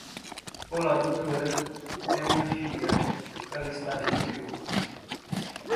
Olá Doutora, é a minha filha, ela está febril.